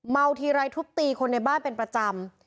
ทีไรทุบตีคนในบ้านเป็นประจำ